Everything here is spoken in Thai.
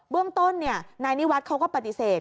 เรื่องต้นนายนิวัฒน์เขาก็ปฏิเสธ